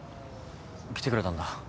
来てくれたんだ。